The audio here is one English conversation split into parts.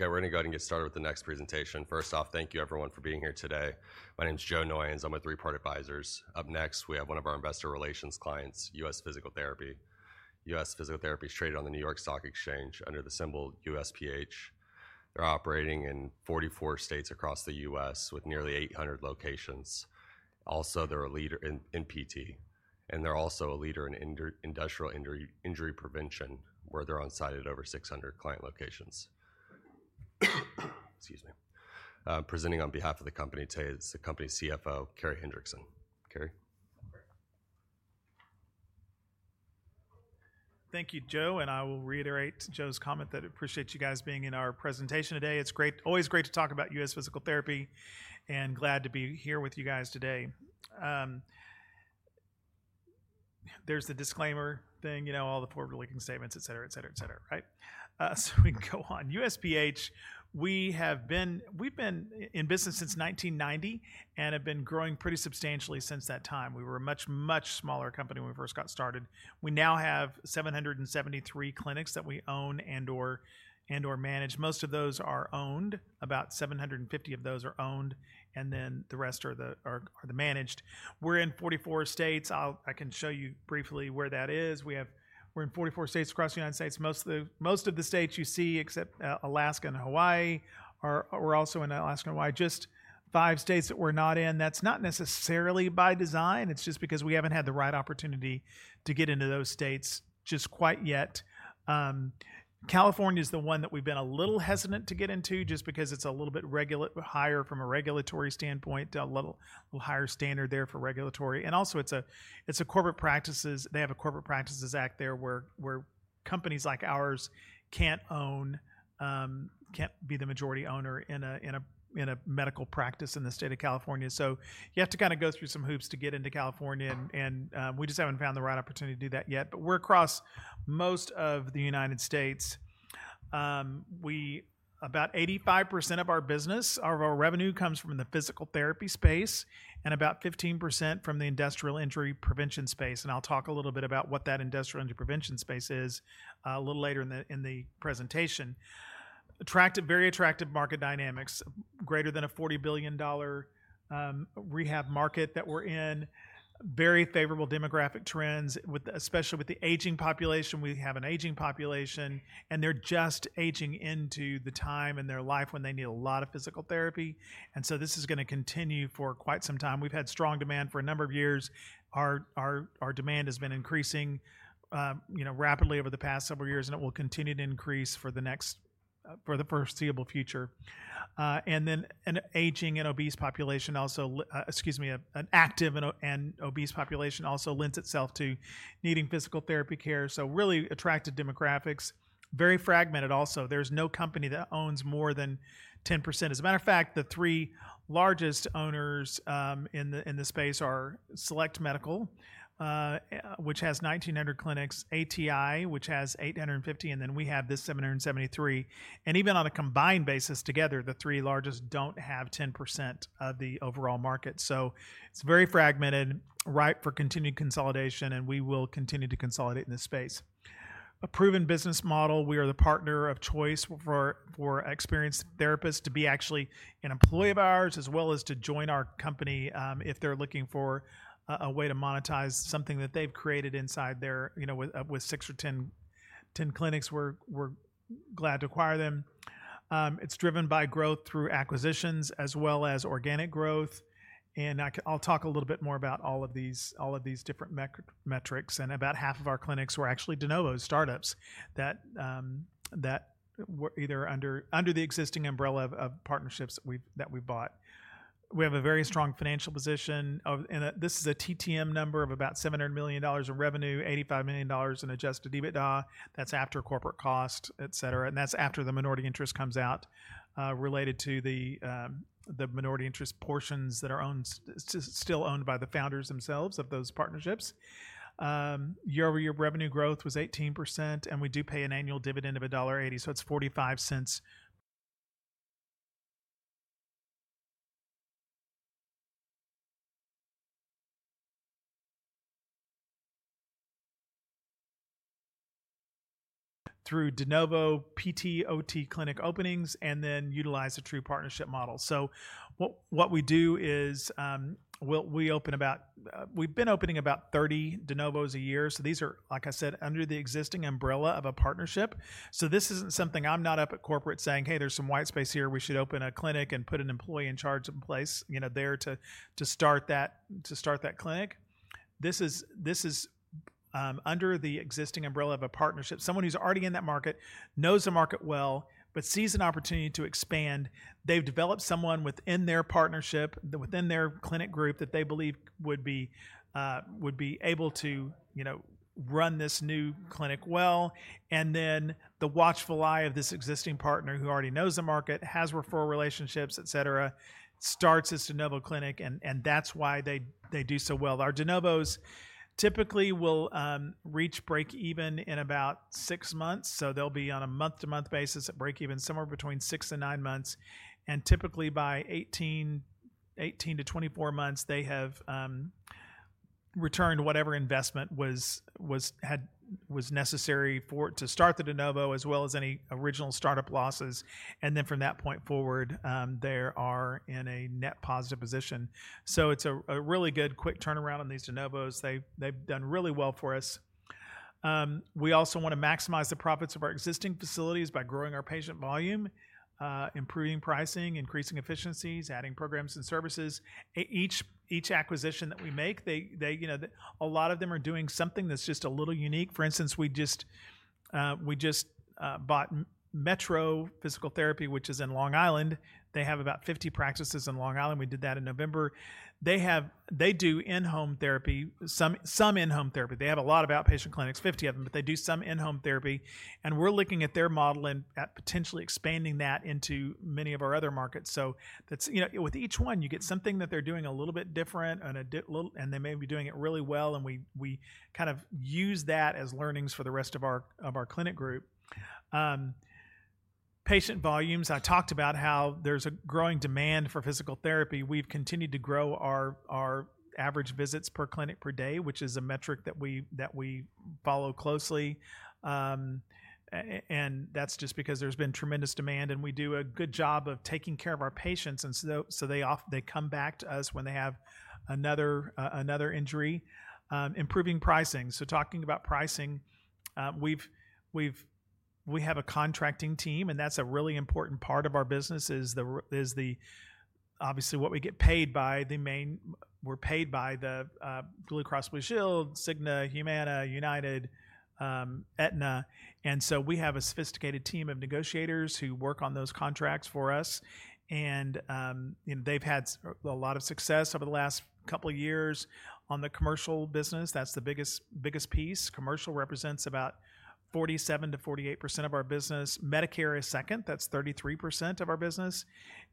Okay, we're only going to get started with the next presentation. First off, thank you, everyone, for being here today. My name's Joe Noyons, I'm Three Part Advisors. Up next, we have one of our investor relations clients, U.S. Physical Therapy. U.S. Physical Therapy is traded on the New York Stock Exchange under the symbol USPh. They're operating in 44 states across the U.S. with nearly 800 locations. Also, they're a leader in PT, and they're also a leader in industrial injury prevention, where they're on site at over 600 client locations. Excuse me. Presenting on behalf of the company today is the company's CFO, Carey Hendrickson. Carey? Thank you, Joe. I will reiterate Joe's comment that I appreciate you guys being in our presentation today. It's always great to talk about U.S. Physical Therapy, and glad to be here with you guys today. There's the disclaimer thing, you know, all the forward-looking statements, etc., etc., etc., right? We can go on. USPh, we have been in business since 1990 and have been growing pretty substantially since that time. We were a much, much smaller company when we first got started. We now have 773 clinics that we own and/or manage. Most of those are owned, about 750 of those are owned, and then the rest are managed. We're in 44 states. I can show you briefly where that is. We're in 44 states across the United States. Most of the states you see, except Alaska and Hawaii, we are also in Alaska and Hawaii. Just five states that we're not in. That's not necessarily by design. It's just because we haven't had the right opportunity to get into those states just quite yet. California is the one that we've been a little hesitant to get into just because it's a little bit higher from a regulatory standpoint, a little higher standard there for regulatory. Also, it's a corporate practice. They have a Corporate Practice of Medicine Act there where companies like ours can't be the majority owner in a medical practice in the state of California. You have to kind of go through some hoops to get into California, and we just haven't found the right opportunity to do that yet. We're across most of the United States. About 85% of our business, of our revenue, comes from the physical therapy space and about 15% from the industrial injury prevention space. I'll talk a little bit about what that industrial injury prevention space is a little later in the presentation. Very attractive market dynamics, greater than a $40 billion rehab market that we're in, very favorable demographic trends, especially with the aging population. We have an aging population, and they're just aging into the time in their life when they need a lot of physical therapy. This is going to continue for quite some time. We've had strong demand for a number of years. Our demand has been increasing rapidly over the past several years, and it will continue to increase for the foreseeable future. An aging and obese population, excuse me, an active and obese population also lends itself to needing physical therapy care. Really attractive demographics, very fragmented also. There's no company that owns more than 10%. As a matter of fact, the three largest owners in the space are Select Medical, which has 1,900 clinics, ATI, which has 850, and then we have this 773. Even on a combined basis together, the three largest do not have 10% of the overall market. It is very fragmented, ripe for continued consolidation, and we will continue to consolidate in this space. A proven business model. We are the partner of choice for experienced therapists to be actually an employee of ours as well as to join our company if they are looking for a way to monetize something that they have created inside there with 6 or 10 clinics. We are glad to acquire them. It is driven by growth through acquisitions as well as organic growth. I will talk a little bit more about all of these different metrics. About half of our clinics were actually de novo startups that were either under the existing umbrella of partnerships that we've bought. We have a very strong financial position. This is a TTM number of about $700 million of revenue, $85 million in Adjusted EBITDA. That's after corporate cost, etc. That's after the minority interest comes out related to the minority interest portions that are still owned by the founders themselves of those partnerships. Year-over-year revenue growth was 18%, and we do pay an annual dividend of $1.80. It's 45 cents through de novo PT/OT clinic openings and then utilize a true partnership model. What we do is we open about, we've been opening about 30 de novos a year. These are, like I said, under the existing umbrella of a partnership. This isn't something I'm not up at corporate saying, "Hey, there's some white space here. We should open a clinic and put an employee in charge of a place there to start that clinic." This is under the existing umbrella of a partnership. Someone who's already in that market knows the market well but sees an opportunity to expand. They've developed someone within their partnership, within their clinic group that they believe would be able to run this new clinic well. The watchful eye of this existing partner who already knows the market, has referral relationships, etc., starts this de novo clinic, and that's why they do so well. Our de novos typically will reach break-even in about six months. They'll be on a month-to-month basis at break-even, somewhere between six and nine months. Typically by 18 to 24 months, they have returned whatever investment was necessary to start the de novo as well as any original startup losses. From that point forward, they are in a net positive position. It is a really good quick turnaround on these de novos. They have done really well for us. We also want to maximize the profits of our existing facilities by growing our patient volume, improving pricing, increasing efficiencies, adding programs and services. Each acquisition that we make, a lot of them are doing something that is just a little unique. For instance, we just bought Metro Physical Therapy, which is in Long Island. They have about 50 practices in Long Island. We did that in November. They do in-home therapy, some in-home therapy. They have a lot of outpatient clinics, 50 of them, but they do some in-home therapy. We're looking at their model and potentially expanding that into many of our other markets. With each one, you get something that they're doing a little bit different, and they may be doing it really well, and we kind of use that as learnings for the rest of our clinic group. Patient volumes. I talked about how there's a growing demand for physical therapy. We've continued to grow our average visits per clinic per day, which is a metric that we follow closely. That's just because there's been tremendous demand, and we do a good job of taking care of our patients. They come back to us when they have another injury. Improving pricing. Talking about pricing, we have a contracting team, and that's a really important part of our business, obviously what we get paid by. We're paid by the Blue Cross Blue Shield, Cigna, Humana, United, Aetna. We have a sophisticated team of negotiators who work on those contracts for us. They've had a lot of success over the last couple of years on the commercial business. That's the biggest piece. Commercial represents about 47-48% of our business. Medicare is second. That's 33% of our business.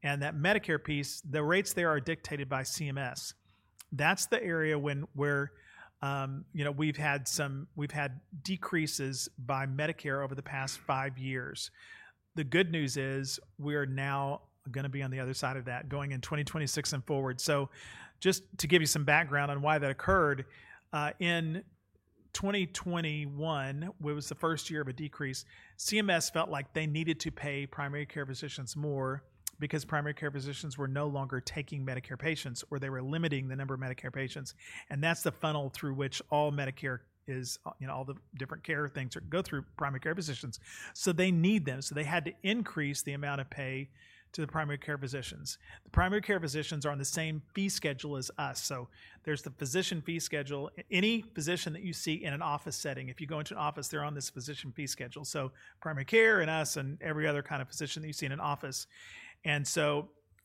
That Medicare piece, the rates there are dictated by CMS. That's the area where we've had decreases by Medicare over the past five years. The good news is we are now going to be on the other side of that going in 2026 and forward. Just to give you some background on why that occurred, in 2021, it was the first year of a decrease. CMS felt like they needed to pay primary care physicians more because primary care physicians were no longer taking Medicare patients or they were limiting the number of Medicare patients. That is the funnel through which all Medicare, all the different care things go through primary care physicians. They need them. They had to increase the amount of pay to the primary care physicians. The primary care physicians are on the same fee schedule as us. There is the physician fee schedule. Any physician that you see in an office setting, if you go into an office, they are on this physician fee schedule. Primary care and us and every other kind of physician that you see in an office.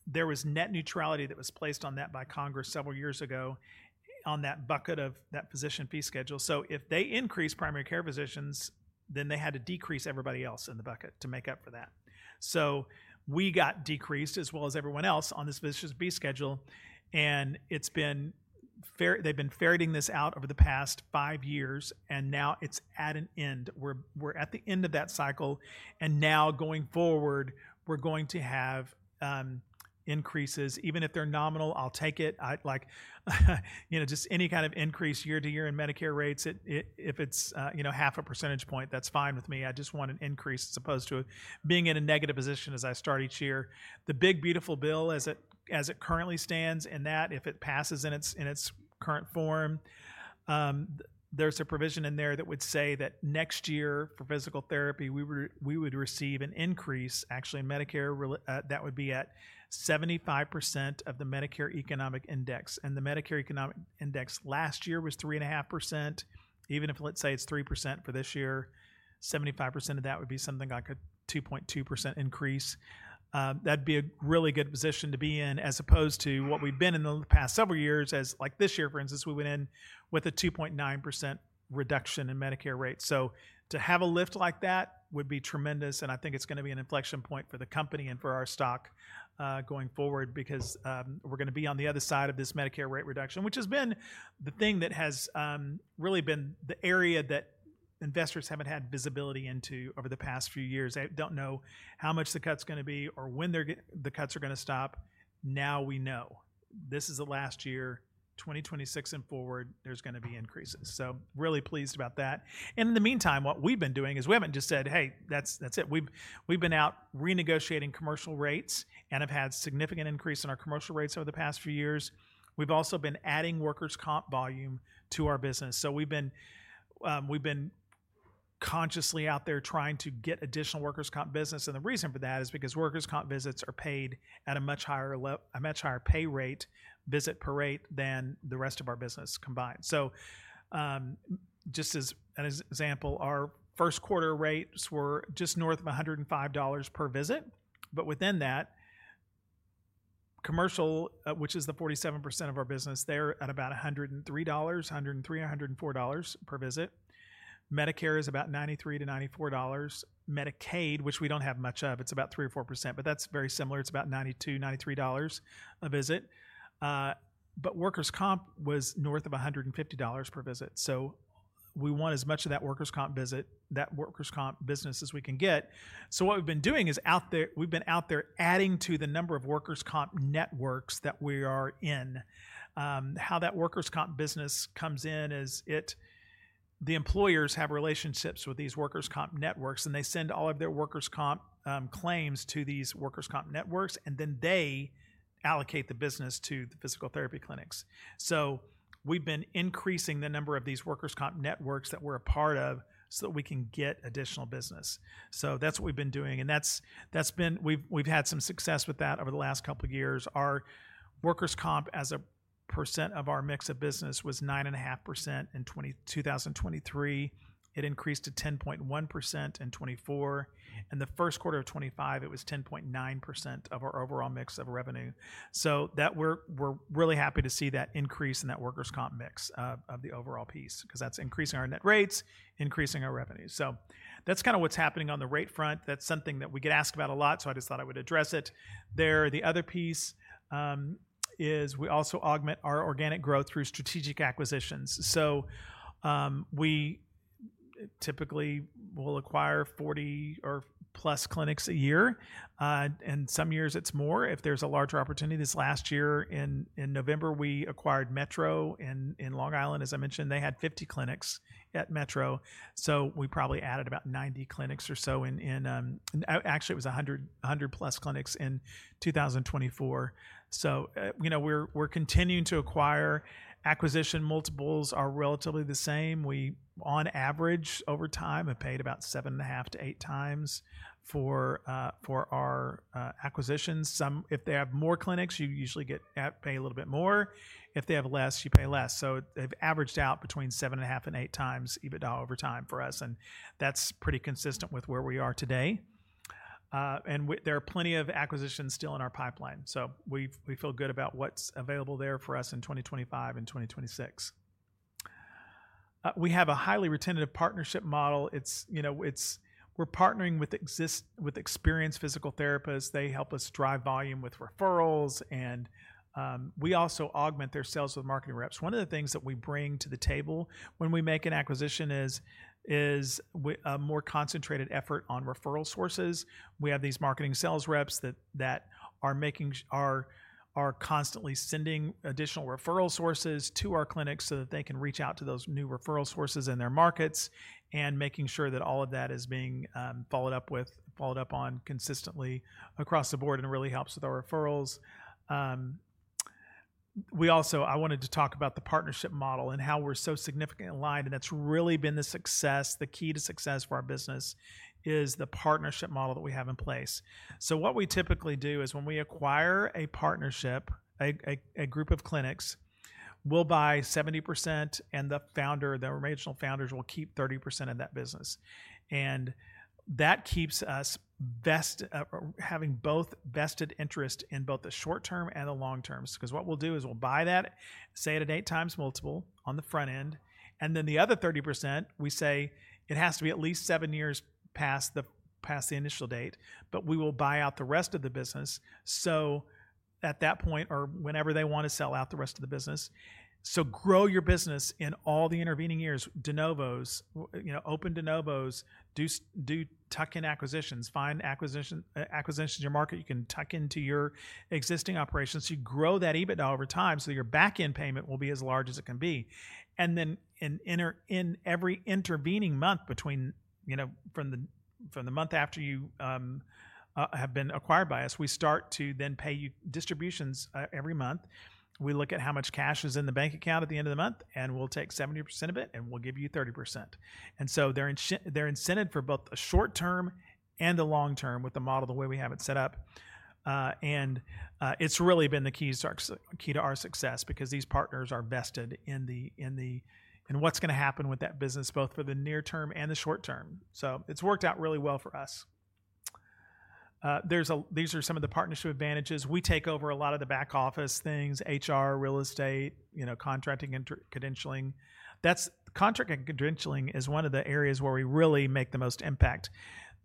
There was net neutrality that was placed on that by Congress several years ago on that bucket of that physician fee schedule. If they increase primary care physicians, then they had to decrease everybody else in the bucket to make up for that. We got decreased as well as everyone else on this physician's fee schedule. They've been ferreting this out over the past five years, and now it's at an end. We're at the end of that cycle. Now going forward, we're going to have increases. Even if they're nominal, I'll take it. Just any kind of increase year-to-year in Medicare rates, if it's half a percentage point, that's fine with me. I just want an increase as opposed to being in a negative position as I start each year. The big beautiful bill, as it currently stands, and that if it passes in its current form, there's a provision in there that would say that next year for physical therapy, we would receive an increase, actually, in Medicare. That would be at 75% of the Medicare Economic Index. And the Medicare Economic Index last year was 3.5%. Even if, let's say, it's 3% for this year, 75% of that would be something like a 2.2% increase. That'd be a really good position to be in as opposed to what we've been in the past several years. Like this year, for instance, we went in with a 2.9% reduction in Medicare rates. To have a lift like that would be tremendous. I think it's going to be an inflection point for the company and for our stock going forward because we're going to be on the other side of this Medicare rate reduction, which has been the thing that has really been the area that investors haven't had visibility into over the past few years. They don't know how much the cut's going to be or when the cuts are going to stop. Now we know. This is the last year, 2026 and forward, there's going to be increases. Really pleased about that. In the meantime, what we've been doing is we haven't just said, "Hey, that's it." We've been out renegotiating commercial rates and have had a significant increase in our commercial rates over the past few years. We've also been adding workers' comp volume to our business. We have been consciously out there trying to get additional workers' comp business. The reason for that is because workers' comp visits are paid at a much higher pay rate, visit per rate, than the rest of our business combined. Just as an example, our first quarter rates were just north of $105 per visit. Within that, commercial, which is 47% of our business, is at about $103, $103, $104 per visit. Medicare is about $93-$94. Medicaid, which we do not have much of, it is about 3-4%, but that is very similar. It is about $92, $93 a visit. Workers' comp was north of $150 per visit. We want as much of that workers' comp business as we can get. What we've been doing is out there, we've been out there adding to the number of workers' comp networks that we are in. How that workers' comp business comes in is the employers have relationships with these workers' comp networks, and they send all of their workers' comp claims to these workers' comp networks, and then they allocate the business to the physical therapy clinics. We've been increasing the number of these workers' comp networks that we're a part of so that we can get additional business. That's what we've been doing. We've had some success with that over the last couple of years. Our workers' comp as a percent of our mix of business was 9.5% in 2023. It increased to 10.1% in 2024. In the first quarter of 2025, it was 10.9% of our overall mix of revenue. We're really happy to see that increase in that workers' comp mix of the overall piece because that's increasing our net rates, increasing our revenue. That's kind of what's happening on the rate front. That's something that we get asked about a lot, so I just thought I would address it there. The other piece is we also augment our organic growth through strategic acquisitions. We typically will acquire 40 or plus clinics a year. In some years, it's more if there's a larger opportunity. This last year in November, we acquired Metro in Long Island. As I mentioned, they had 50 clinics at Metro. We probably added about 90 clinics or so. Actually, it was 100 plus clinics in 2024. We're continuing to acquire. Acquisition multiples are relatively the same. We, on average, over time, have paid about 7.5-8 times for our acquisitions. If they have more clinics, you usually pay a little bit more. If they have less, you pay less. They have averaged out between 7.5-8 times EBITDA over time for us. That is pretty consistent with where we are today. There are plenty of acquisitions still in our pipeline. We feel good about what is available there for us in 2025 and 2026. We have a highly retentive partnership model. We are partnering with experienced physical therapists. They help us drive volume with referrals. We also augment their sales with marketing reps. One of the things that we bring to the table when we make an acquisition is a more concentrated effort on referral sources. We have these marketing sales reps that are constantly sending additional referral sources to our clinics so that they can reach out to those new referral sources in their markets and making sure that all of that is being followed up on consistently across the board. It really helps with our referrals. I wanted to talk about the partnership model and how we're so significantly aligned. That has really been the key to success for our business, the partnership model that we have in place. What we typically do is when we acquire a partnership, a group of clinics, we will buy 70%, and the original founders will keep 30% of that business. That keeps us having both vested interest in both the short term and the long term because what we will do is we will buy that, say at an eight times multiple on the front end. The other 30%, we say it has to be at least seven years past the initial date, but we will buy out the rest of the business at that point or whenever they want to sell out the rest of the business. Grow your business in all the intervening years, de novos, open de novos, do tuck-in acquisitions, find acquisitions in your market. You can tuck into your existing operations. You grow that EBITDA over time so your back-end payment will be as large as it can be. In every intervening month from the month after you have been acquired by us, we start to then pay you distributions every month. We look at how much cash is in the bank account at the end of the month, and we will take 70% of it, and we will give you 30%. They are incented for both the short term and the long term with the model the way we have it set up. It has really been the key to our success because these partners are vested in what is going to happen with that business both for the near term and the short term. It has worked out really well for us. These are some of the partnership advantages. We take over a lot of the back office things, HR, real estate, contracting, and credentialing. Contracting and credentialing is one of the areas where we really make the most impact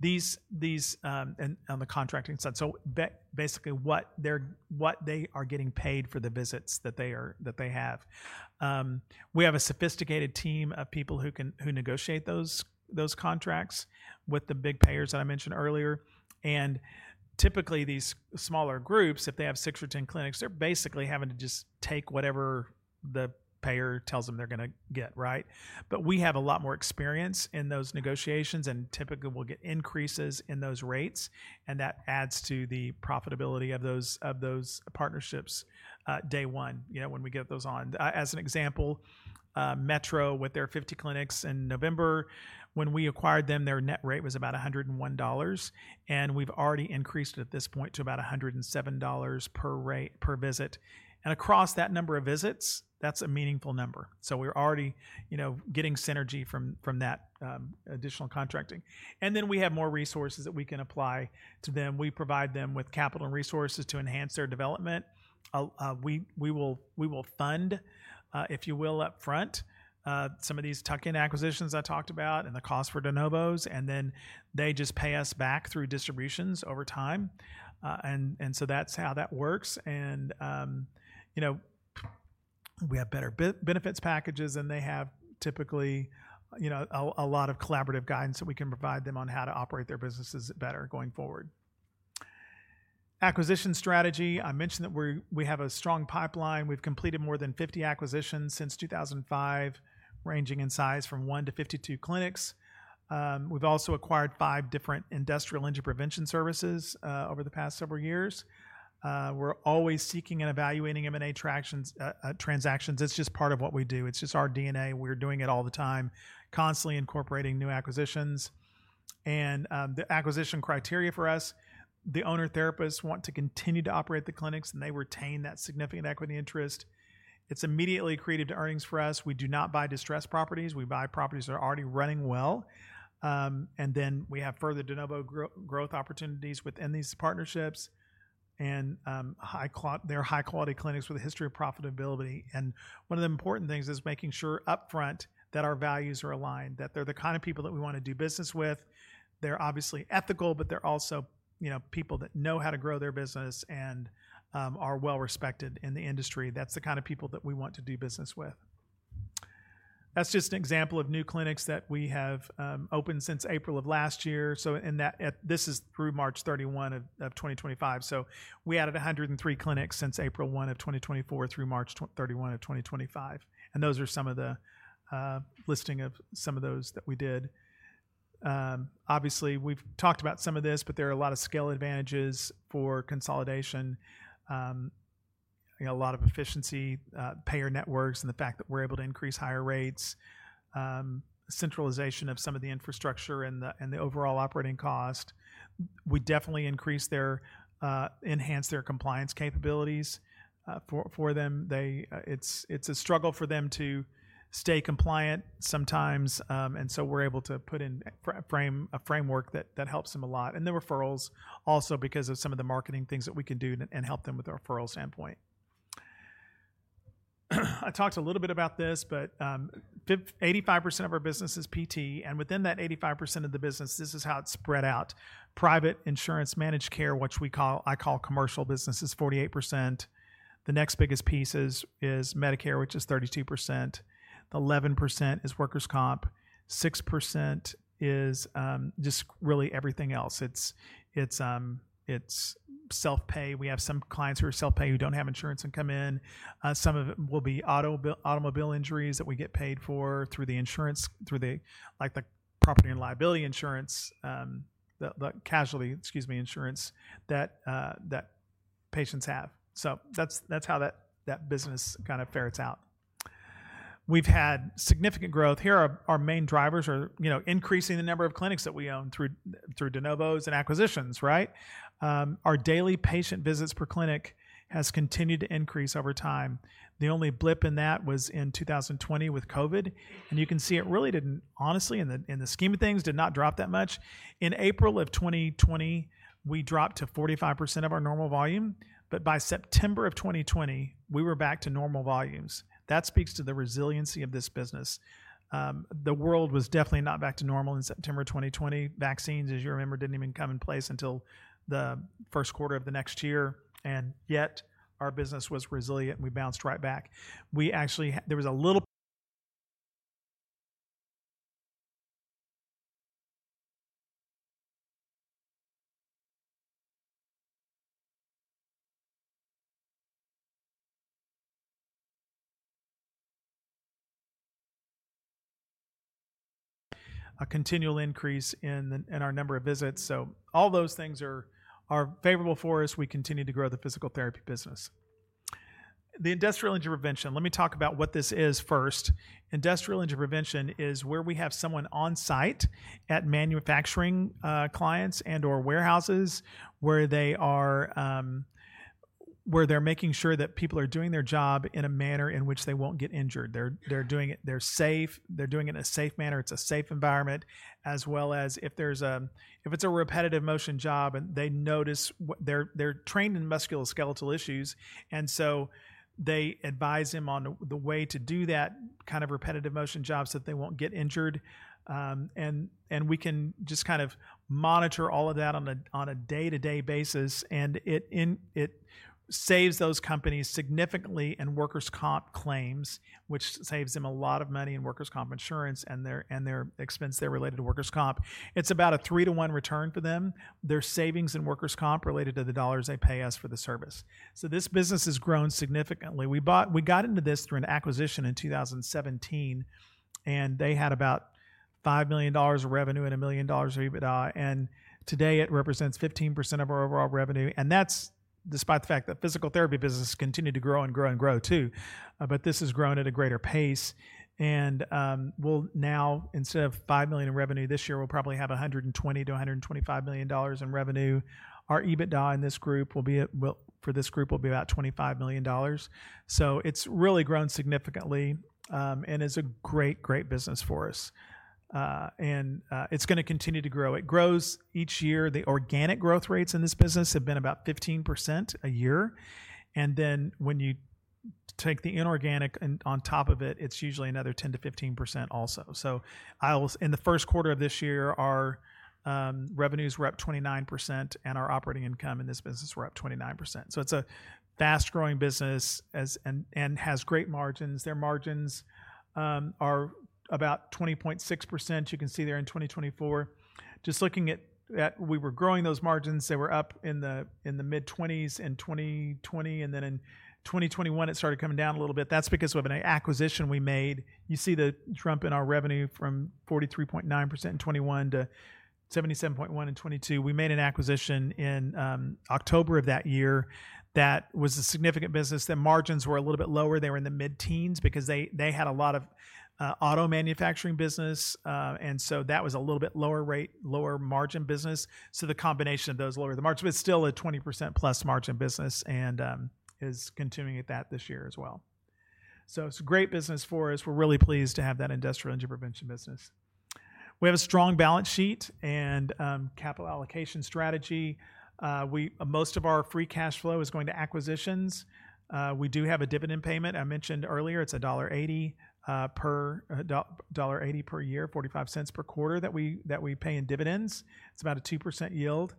on the contracting side. Basically, what they are getting paid for the visits that they have. We have a sophisticated team of people who negotiate those contracts with the big payers that I mentioned earlier. Typically, these smaller groups, if they have 6 or 10 clinics, they're basically having to just take whatever the payer tells them they're going to get, right? We have a lot more experience in those negotiations, and typically, we'll get increases in those rates. That adds to the profitability of those partnerships day one when we get those on. As an example, Metro with their 50 clinics in November, when we acquired them, their net rate was about $101. We've already increased at this point to about $107 per visit. Across that number of visits, that's a meaningful number. We're already getting synergy from that additional contracting. We have more resources that we can apply to them. We provide them with capital and resources to enhance their development. We will fund, if you will, upfront some of these tuck-in acquisitions I talked about and the cost for de novos. They just pay us back through distributions over time. That is how that works. We have better benefits packages, and they have typically a lot of collaborative guidance that we can provide them on how to operate their businesses better going forward. Acquisition strategy. I mentioned that we have a strong pipeline. We have completed more than 50 acquisitions since 2005, ranging in size from 1-52 clinics. We have also acquired five different industrial injury prevention services over the past several years. We are always seeking and evaluating M&A transactions. It is just part of what we do. It is just our DNA. We are doing it all the time, constantly incorporating new acquisitions. The acquisition criteria for us, the owner-therapists want to continue to operate the clinics, and they retain that significant equity interest. It has immediately created earnings for us. We do not buy distressed properties. We buy properties that are already running well. We have further de novo growth opportunities within these partnerships. They are high-quality clinics with a history of profitability. One of the important things is making sure upfront that our values are aligned, that they are the kind of people that we want to do business with. They are obviously ethical, but they are also people that know how to grow their business and are well-respected in the industry. That is the kind of people that we want to do business with. That is just an example of new clinics that we have opened since April of last year. This is through March 31 of 2025. We added 103 clinics since April 1 of 2024 through March 31 of 2025. Those are some of the listing of some of those that we did. Obviously, we've talked about some of this, but there are a lot of skill advantages for consolidation, a lot of efficiency, payer networks, and the fact that we're able to increase higher rates, centralization of some of the infrastructure and the overall operating cost. We definitely enhance their compliance capabilities for them. It's a struggle for them to stay compliant sometimes. We are able to frame a framework that helps them a lot. The referrals also because of some of the marketing things that we can do and help them with the referral standpoint. I talked a little bit about this, but 85% of our business is PT. Within that 85% of the business, this is how it's spread out. Private insurance managed care, which I call commercial business, is 48%. The next biggest piece is Medicare, which is 32%. The 11% is workers' comp. 6% is just really everything else. It's self-pay. We have some clients who are self-pay who don't have insurance and come in. Some of it will be automobile injuries that we get paid for through the insurance, like the property and liability insurance, the casualty, excuse me, insurance that patients have. That's how that business kind of fares out. We've had significant growth. Here are our main drivers. We're increasing the number of clinics that we own through de novos and acquisitions, right? Our daily patient visits per clinic has continued to increase over time. The only blip in that was in 2020 with COVID. You can see it really didn't, honestly, in the scheme of things, did not drop that much. In April of 2020, we dropped to 45% of our normal volume. By September of 2020, we were back to normal volumes. That speaks to the resiliency of this business. The world was definitely not back to normal in September 2020. Vaccines, as you remember, didn't even come in place until the first quarter of the next year. Yet, our business was resilient. We bounced right back. There was a little continual increase in our number of visits. All those things are favorable for us. We continue to grow the physical therapy business. The industrial injury prevention, let me talk about what this is first. Industrial injury prevention is where we have someone on site at manufacturing clients and/or warehouses where they're making sure that people are doing their job in a manner in which they won't get injured. They're safe. They're doing it in a safe manner. It's a safe environment, as well as if it's a repetitive motion job and they notice they're trained in musculoskeletal issues. They advise them on the way to do that kind of repetitive motion jobs that they won't get injured. We can just kind of monitor all of that on a day-to-day basis. It saves those companies significantly in workers' comp claims, which saves them a lot of money in workers' comp insurance and their expense-related workers' comp. It's about a three-to-one return for them. Their savings in workers' comp related to the dollars they pay us for the service. This business has grown significantly. We got into this through an acquisition in 2017, and they had about $5 million of revenue and a million dollars of EBITDA. Today, it represents 15% of our overall revenue. That is despite the fact that the physical therapy business continued to grow and grow and grow too. This has grown at a greater pace. Now, instead of $5 million in revenue this year, we'll probably have $120-$125 million in revenue. Our EBITDA in this group for this group will be about $25 million. It has really grown significantly and is a great, great business for us. It is going to continue to grow. It grows each year. The organic growth rates in this business have been about 15% a year. When you take the inorganic on top of it, it's usually another 10-15% also. In the first quarter of this year, our revenues were up 29%, and our operating income in this business were up 29%. It's a fast-growing business and has great margins. Their margins are about 20.6%. You can see there in 2024. Just looking at we were growing those margins. They were up in the mid-20s in 2020. In 2021, it started coming down a little bit. That's because of an acquisition we made. You see the jump in our revenue from 43.9% in 2021 to 77.1% in 2022. We made an acquisition in October of that year that was a significant business. The margins were a little bit lower. They were in the mid-teens because they had a lot of auto manufacturing business. That was a little bit lower rate, lower margin business. The combination of those lowered the margins. It is still a 20%+ margin business and is continuing at that this year as well. It is a great business for us. We are really pleased to have that industrial injury prevention business. We have a strong balance sheet and capital allocation strategy. Most of our free cash flow is going to acquisitions. We do have a dividend payment. I mentioned earlier, it is $1.80 per year, $0.45 per quarter that we pay in dividends. It is about a 2% yield.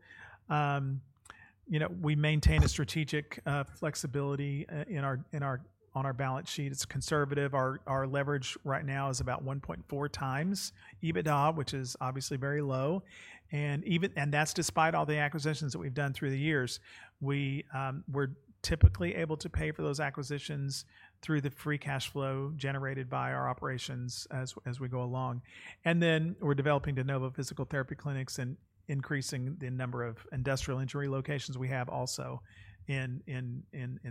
We maintain a strategic flexibility on our balance sheet. It is conservative. Our leverage right now is about 1.4 times EBITDA, which is obviously very low. That is despite all the acquisitions that we have done through the years. We're typically able to pay for those acquisitions through the free cash flow generated by our operations as we go along. We're developing de novo physical therapy clinics and increasing the number of industrial injury locations we have also in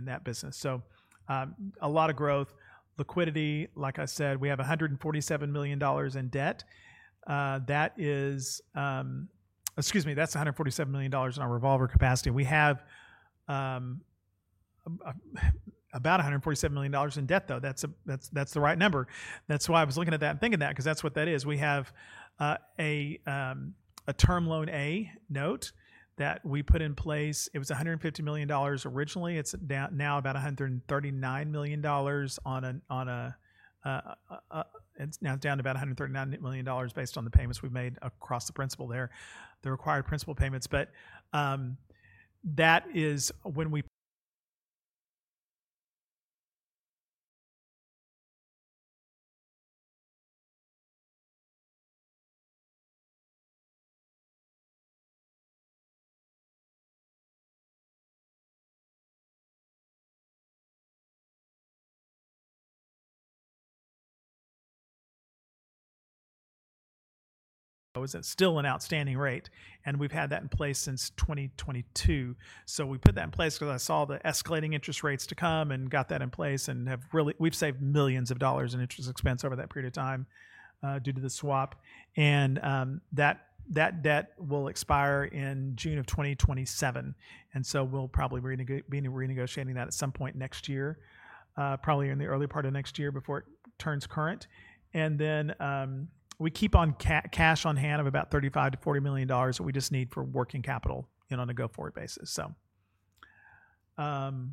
that business. A lot of growth, liquidity. Like I said, we have $147 million in debt. Excuse me, that's $147 million in our revolver capacity. We have about $147 million in debt, though. That's the right number. That's why I was looking at that and thinking that because that's what that is. We have a term loan A note that we put in place. It was $150 million originally. It's now about $139 million, now it's down to about $139 million based on the payments we've made across the principal there, the required principal payments. That is still an outstanding rate. We have had that in place since 2022. We put that in place because I saw the escalating interest rates to come and got that in place and have really saved millions of dollars in interest expense over that period of time due to the swap. That debt will expire in June of 2027. We will probably be renegotiating that at some point next year, probably in the early part of next year before it turns current. We keep cash on hand of about $35-$40 million that we just need for working capital on a go-forward basis. We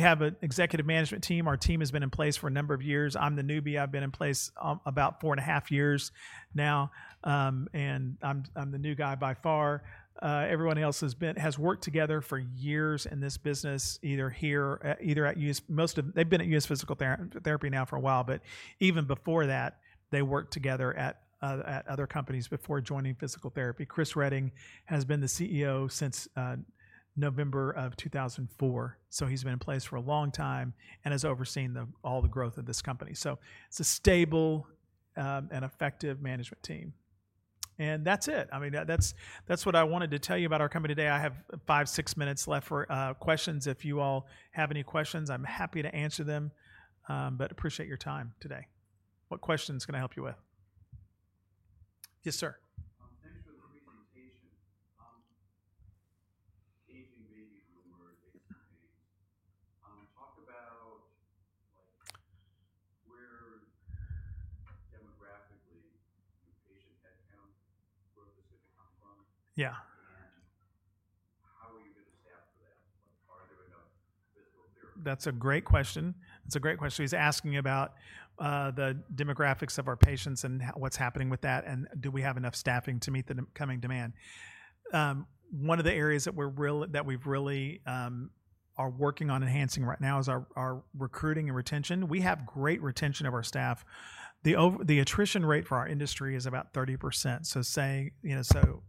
have an executive management team. Our team has been in place for a number of years. I'm the newbie. I've been in place about four and a half years now. I'm the new guy by far. Everyone else has worked together for years in this business, either here at U.S. Physical Therapy now for a while. Even before that, they worked together at other companies before joining physical therapy. Chris Reading has been the CEO since November of 2004. He's been in place for a long time and has overseen all the growth of this company. It's a stable and effective management team. That's it. I mean, that's what I wanted to tell you about our company today. I have five, six minutes left for questions. If you all have any questions, I'm happy to answer them, but appreciate your time today. What questions can I help you with? Yes, sir. That's a great question. That's a great question. He's asking about the demographics of our patients and what's happening with that and do we have enough staffing to meet the coming demand. One of the areas that we really are working on enhancing right now is our recruiting and retention. We have great retention of our staff. The attrition rate for our industry is about 30%.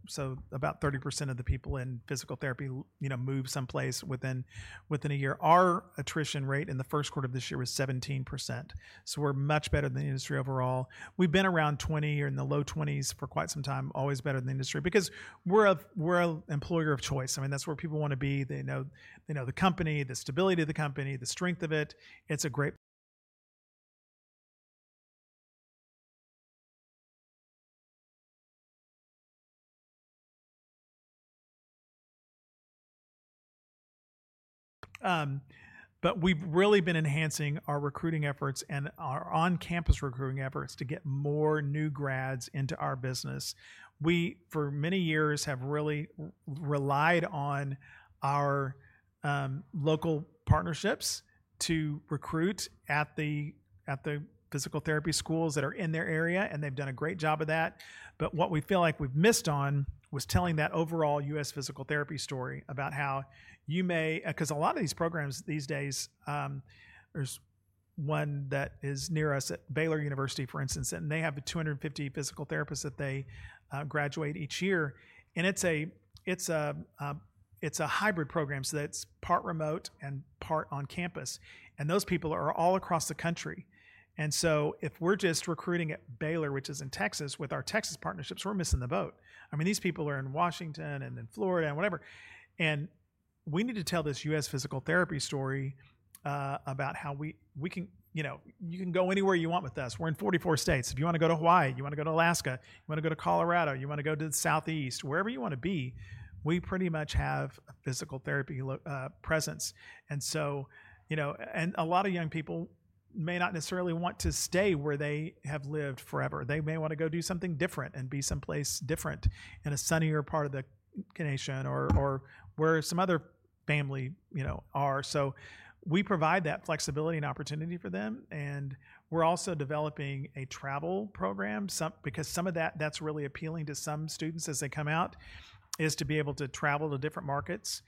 So about 30% of the people in physical therapy move someplace within a year. Our attrition rate in the first quarter of this year was 17%. So we're much better than the industry overall. We've been around 20 or in the low 20s for quite some time, always better than the industry because we're an employer of choice. I mean, that's where people want to be. They know the company, the stability of the company, the strength of it. It's great, but we've really been enhancing our recruiting efforts and our on-campus recruiting efforts to get more new grads into our business. We, for many years, have really relied on our local partnerships to recruit at the physical therapy schools that are in their area. They've done a great job of that. What we feel like we've missed on was telling that overall U.S. Physical Therapy story about how you may, because a lot of these programs these days, there's one that is near us at Baylor University, for instance. They have 250 physical therapists that they graduate each year. It's a hybrid program, so it's part remote and part on campus. Those people are all across the country. If we're just recruiting at Baylor, which is in Texas, with our Texas partnerships, we're missing the boat. I mean, these people are in Washington and in Florida and whatever. We need to tell this U.S. Physical Therapy story about how you can go anywhere you want with us. We're in 44 states. If you want to go to Hawaii, you want to go to Alaska, you want to go to Colorado, you want to go to the Southeast, wherever you want to be, we pretty much have a physical therapy presence. A lot of young people may not necessarily want to stay where they have lived forever. They may want to go do something different and be someplace different in a sunnier part of the nation or where some other family are. We provide that flexibility and opportunity for them. We're also developing a travel program because some of that that's really appealing to some students as they come out is to be able to travel to different markets.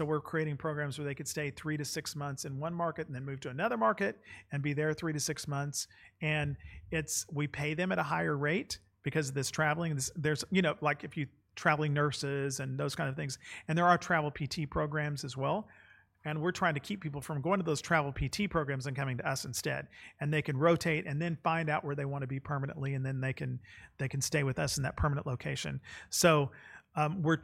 We're creating programs where they could stay three to six months in one market and then move to another market and be there three to six months. We pay them at a higher rate because of this traveling. There's like if you traveling nurses and those kinds of things. There are travel PT programs as well. We're trying to keep people from going to those travel PT programs and coming to us instead. They can rotate and then find out where they want to be permanently. They can stay with us in that permanent location. We're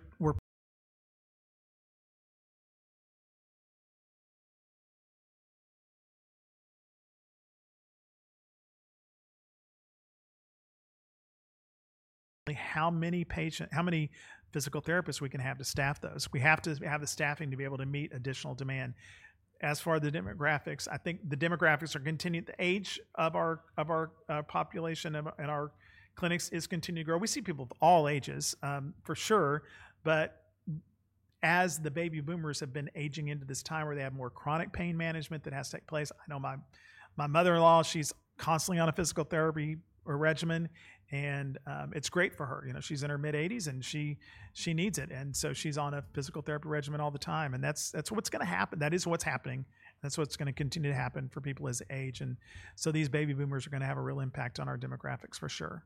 how many physical therapists we can have to staff those. We have to have the staffing to be able to meet additional demand. As for the demographics, I think the demographics are continuing. The age of our population and our clinics is continuing to grow. We see people of all ages, for sure. As the baby boomers have been aging into this time where they have more chronic pain management that has to take place, I know my mother-in-law, she's constantly on a physical therapy regimen. It's great for her. She's in her mid-80s and she needs it. She's on a physical therapy regimen all the time. That is what's going to happen. That is what's happening. That's what's going to continue to happen for people as they age. These baby boomers are going to have a real impact on our demographics, for sure.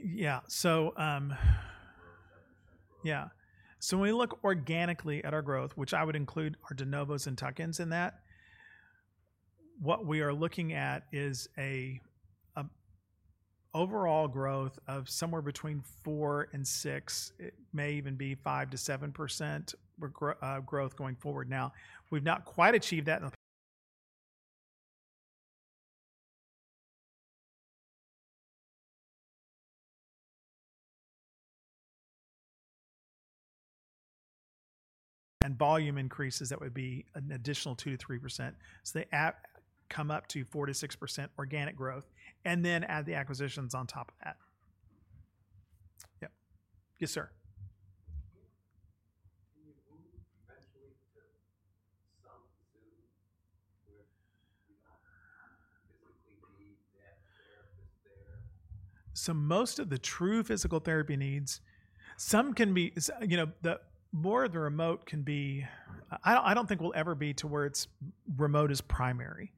Are you targeting a certain growth rate in patient visits based on people getting older and moving more? Yeah. Growth, 7% growth. Yeah. When we look organically at our growth, which I would include our de novos and tuck-ins in that, what we are looking at is an overall growth of somewhere between 4-6%, may even be 5-7% growth going forward. Now, we've not quite achieved that. Volume increases, that would be an additional 2-3%. They come up to 4-6% organic growth. Then add the acquisitions on top of that. Yep. Yes, sir. Most of the true physical therapy needs, some can be more of the remote can be, I do not think we will ever be to where remote is primary.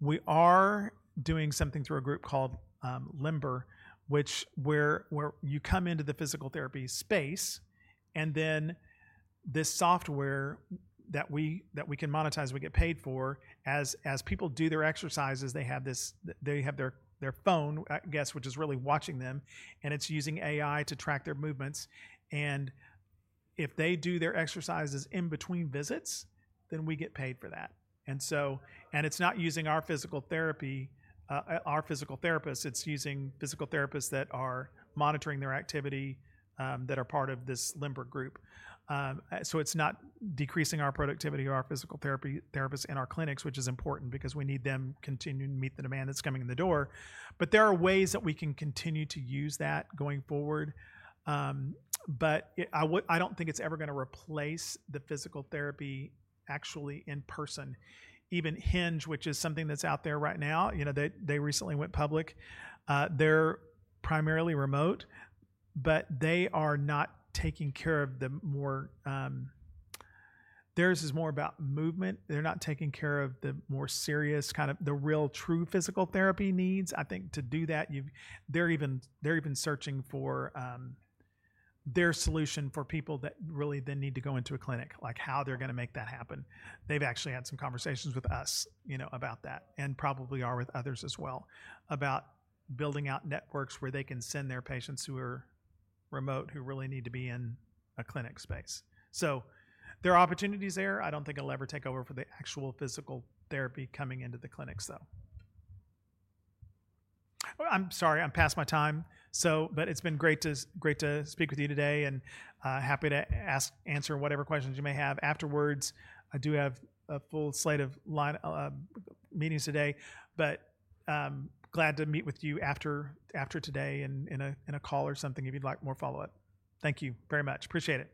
We are doing something through a group called Limber, which, where you come into the physical therapy space. This software that we can monetize, we get paid for. As people do their exercises, they have their phone, I guess, which is really watching them. It is using AI to track their movements. If they do their exercises in between visits, then we get paid for that. It is not using our physical therapy, our physical therapists. It is using physical therapists that are monitoring their activity that are part of this Limber group. It's not decreasing our productivity or our physical therapists in our clinics, which is important because we need them to continue to meet the demand that's coming in the door. There are ways that we can continue to use that going forward. I don't think it's ever going to replace the physical therapy actually in person. Even Hinge, which is something that's out there right now, they recently went public. They're primarily remote, but they are not taking care of the more—theirs is more about movement. They're not taking care of the more serious, kind of the real true physical therapy needs. I think to do that, they're even searching for their solution for people that really then need to go into a clinic, like how they're going to make that happen. They've actually had some conversations with us about that and probably are with others as well about building out networks where they can send their patients who are remote, who really need to be in a clinic space. There are opportunities there. I don't think it'll ever take over for the actual physical therapy coming into the clinics, though. I'm sorry, I'm past my time. It's been great to speak with you today and happy to answer whatever questions you may have afterwards. I do have a full slate of meetings today, but glad to meet with you after today in a call or something if you'd like more follow-up. Thank you very much. Appreciate it.